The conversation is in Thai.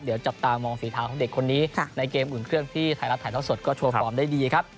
เดี๋ยวจับตามองฝีเท้าของเด็กคนนี้ในเกมอุ่นเครื่องที่ไทยรัฐถ่ายเท่าสดก็โชว์ฟอร์มได้ดีครับ